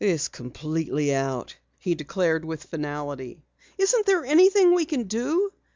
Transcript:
"It's completely out," he declared with finality. "Isn't there anything we can do?"